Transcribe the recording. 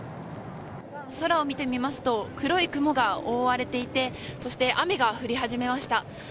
空を見てみますと黒い雲に覆われていてそして雨が降り始めました。